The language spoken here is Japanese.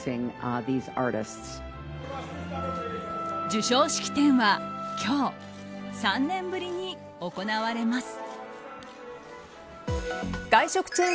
授賞式典は今日３年ぶりに行われます。